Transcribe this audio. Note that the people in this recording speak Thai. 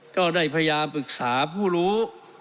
ก็ได้พยายามปรึกษาผู้รู้